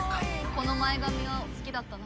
この前髪は好きだったな。